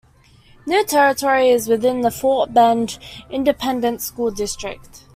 New Territory is within the Fort Bend Independent School District.